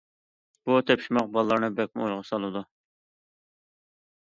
بۇ تېپىشماق بالىلارنى بەكمۇ ئويغا سالىدۇ.